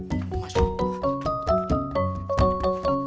mak masih mikirin cincin tati yang hilang